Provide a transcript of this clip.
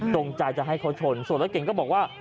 ตรงใจจะให้เขาชนส่วนรถเก่งก็บอกว่า